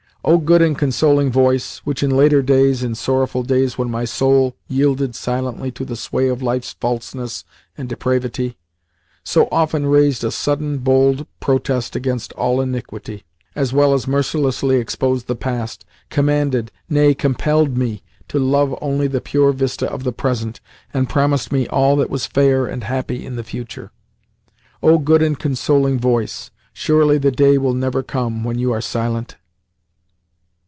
O good and consoling voice, which in later days, in sorrowful days when my soul yielded silently to the sway of life's falseness and depravity, so often raised a sudden, bold protest against all iniquity, as well as mercilessly exposed the past, commanded, nay, compelled, me to love only the pure vista of the present, and promised me all that was fair and happy in the future! O good and consoling voice! Surely the day will never come when you are silent?